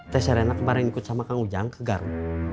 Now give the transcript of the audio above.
t serena kemarin ikut sama kang ujang ke garo